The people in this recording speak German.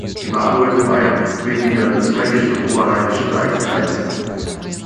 Emanuel von Bayern und den Mitgliedern des fränkischen und oberrheinischen Reichskreises.